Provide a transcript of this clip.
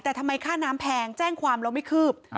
แต่ทำไมค่าน้ำแพงแจ้งความแล้วไม่คืบ